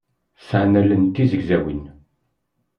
Sɛan allen d tizegzawin.